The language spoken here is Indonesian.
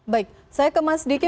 baik saya ke mas diki